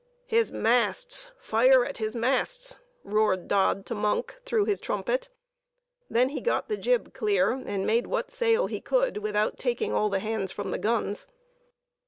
"His masts! fire at his masts!" roared Dodd to Monk, through his trumpet; he then got the jib clear, and made what sail he could without taking all the hands from the guns.